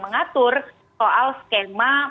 mengatur soal skema